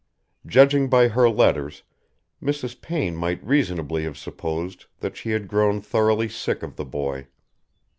Judging by her letters Mrs. Payne might reasonably have supposed that she had grown thoroughly sick of the boy.